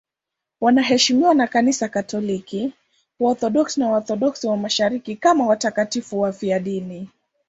Wanaheshimiwa na Kanisa Katoliki, Waorthodoksi na Waorthodoksi wa Mashariki kama watakatifu wafiadini.